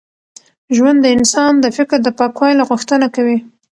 ژوند د انسان د فکر د پاکوالي غوښتنه کوي.